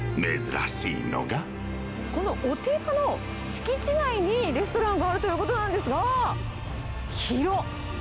このお寺の敷地内にレストランがあるということなんですが。